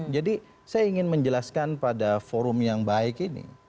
jadi saya ingin menjelaskan pada forum yang baik ini